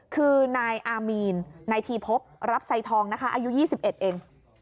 คือนายอามีนนายทีพบรับไซทองนะคะอายุ๒๑เอง